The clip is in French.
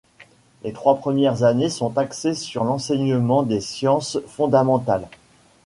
Les trois premières années sont axées sur l'enseignement des sciences fondamentales.